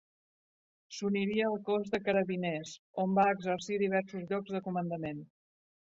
S'uniria al Cos de Carabiners, on va exercir diversos llocs de comandament.